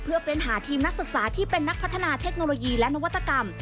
เพื่อเฟ้นหาทีมนักศึกษาที่เป็นนักพัฒนาเทคโนโลยีและนวัตกรรม